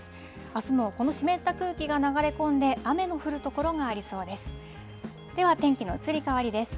あすもこの湿った空気が流れ込んで雨の降る所がありそうです。